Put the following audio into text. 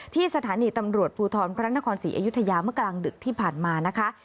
ที่สถานีตำรวจภูทรพระนครศรีอยุธยาเมื่อกลางดึกที่ผ่านมานะคะ